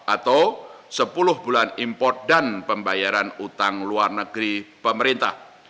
atau sepuluh bulan import dan pembayaran utang luar negeri pemerintah